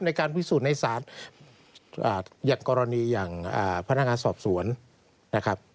ในการพิสูจน์ในศาลอย่างกรณีอย่างพนักงานสอบสวนนะครับ